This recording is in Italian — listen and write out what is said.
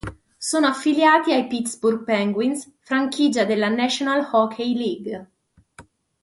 Sono affiliati ai Pittsburgh Penguins, franchigia della National Hockey League.